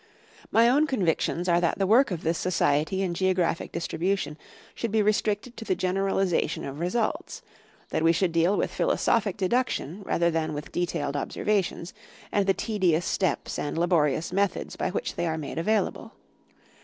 My own convictions are that the work of this Society in Geo graphic Distribution should be restricted to the generalization of results: that we should deal with philosophic deduction rather than with detailed observations and the tedious steps and labori ous methods by which they are made available.